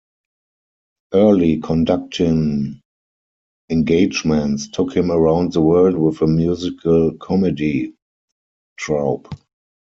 Early conducting engagements took him around the world with a musical comedy troupe.